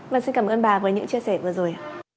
vâng xin cảm ơn bà với những chia sẻ vừa rồi